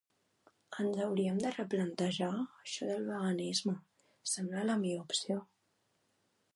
Ens hauriem de replantejar això del veganisme, sembla la millor opció.